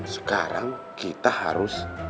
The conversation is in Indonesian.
sekarang kita harus